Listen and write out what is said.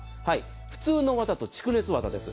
普通の綿と蓄熱綿です。